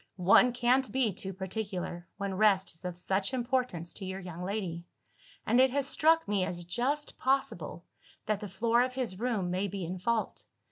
One can't be too particular, when rest is of such importance to your young lady and it has struck me as just possible, that the floor of his room may be in fault.